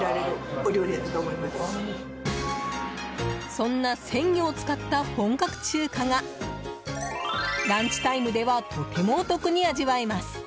そんな鮮魚を使った本格中華がランチタイムではとてもお得に味わえます。